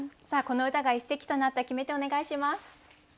さあこの歌が一席となった決め手をお願いします。